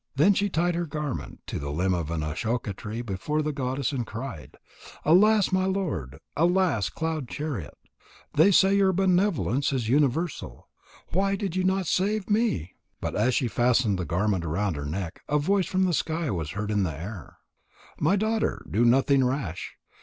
Then she tied her garment to the limb of an ashoka tree before the goddess and cried: "Alas, my lord! Alas, Cloud chariot! They say your benevolence is universal. Why did you not save me?" But as she fastened the garment about her neck, a voice from the sky was heard in the air: "My daughter, do nothing rash.